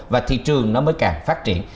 và thị trường nó mới càng phát triển